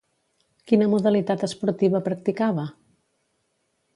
Quina modalitat esportiva practicava?